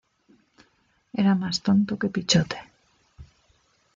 Era más tonto que Pichote